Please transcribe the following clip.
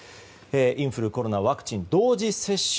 インフル、コロナワクチン同時接種。